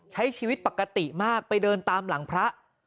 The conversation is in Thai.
ใช้ชีวิตปกติมากไปเดินตามหลังพระ